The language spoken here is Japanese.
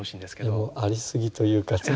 ありすぎというか。